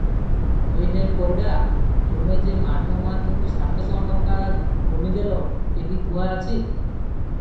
ହୋଇ ହେ ପରିଡ଼ା! ତୁମେ ଯେ ମାଧ ମହାନ୍ତିଙ୍କୁ ସାତ ଶହ ଟଙ୍କା ଗଣିଦେଲ, କେହି ଗୁହା ଅଛି?